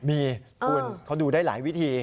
มีคุณเขาดูได้หลายวิธี